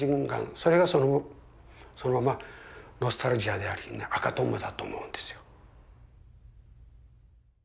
それがそのままノスタルジアであり「赤とんぼ」だと思うんですよ。